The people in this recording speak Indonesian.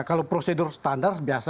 kalau prosedur standar biasa